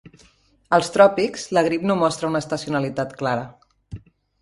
Als tròpics, la grip no mostra una estacionalitat clara.